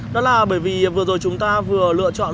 đó là bởi vì vừa rồi chúng ta vừa lựa chọn